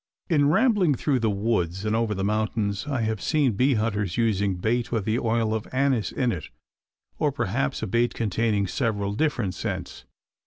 In rambling through the woods and over the mountains I have seen bee hunters using bait with the oil of anise in it, or perhaps a bait containing several different scents.